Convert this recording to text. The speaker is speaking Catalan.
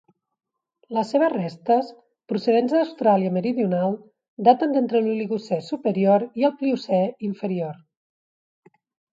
Les seves restes, procedents d'Austràlia Meridional, daten d'entre l'Oligocè superior i el Pliocè inferior.